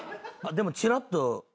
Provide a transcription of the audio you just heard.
でもチラッと。